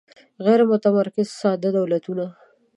غیر متمرکز ساده دولتونه